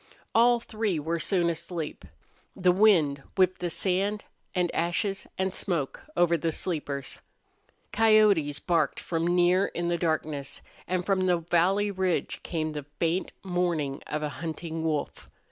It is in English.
All three were soon asleep. The wind whipped the sand and ashes and smoke over the sleepers. Coyotes barked from near in darkness, and from the valley ridge came the faint mourn of a hunting wolf.